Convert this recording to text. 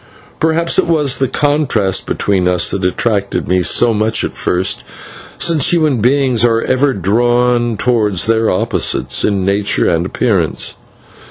Perhaps it was the contrast between us that attracted me so much at first, since human beings are ever drawn towards their opposites in nature and appearance.